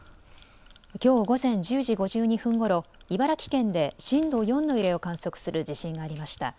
きょう午前１０時５２分ごろ茨城県で震度４の揺れを観測する地震がありました。